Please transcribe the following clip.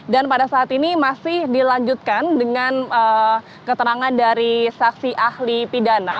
dan pada saat ini masih dilanjutkan dengan keterangan dari saksi ahli pidana